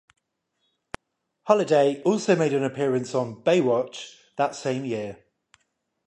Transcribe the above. Holliday also made an appearance on "Baywatch" that same year.